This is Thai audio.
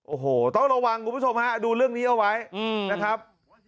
โอ้โหต้องระวังคุณผู้ชมฮะดูเรื่องนี้เอาไว้นะครับ